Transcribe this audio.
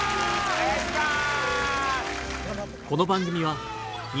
お願いします！